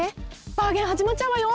バーゲンはじまっちゃうわよ。